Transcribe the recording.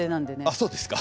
あっそうですか。